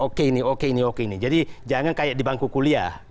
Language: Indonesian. oke ini oke ini oke ini jadi jangan kayak di bangku kuliah